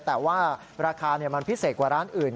แต่ว่าราคามันพิเศษกว่าร้านอื่น